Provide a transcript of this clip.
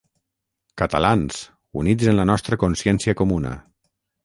Catalans units en la nostra consciència comuna!